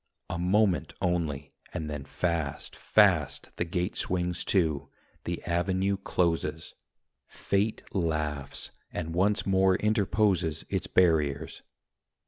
A moment only, and then, fast, fast, The gate swings to, the avenue closes; Fate laughs, and once more interposes Its barriers.